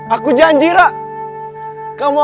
aku bisa mencintai kamu